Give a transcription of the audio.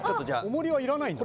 重りはいらないんだ。